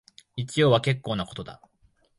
一応は結構なことだ